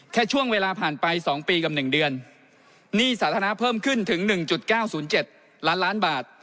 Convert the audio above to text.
แค่ช่วงเวลาผ่านไป๒ปีกับ๑เดือนหนี้สาธารณะเพิ่มขึ้นถึง๑๙๐๗ล้านล้านบาท